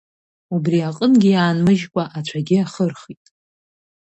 Убри аҟынгьы иаанмыжькәа, ацәагьы ахырхит.